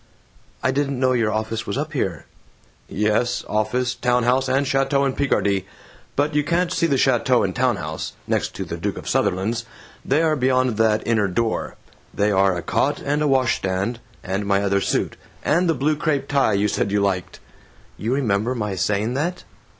"I didn't know your office was up here." "Yes, office, town house, and chateau in Picardy. But you can't see the chateau and town house (next to the Duke of Sutherland's). They're beyond that inner door. They are a cot and a wash stand and my other suit and the blue crepe tie you said you liked." "You remember my saying that?"